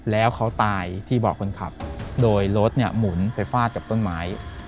แล้วเขาตายที่เบาะคนขับโดยรถเนี่ยหมุนไปฟาดกับต้นไม้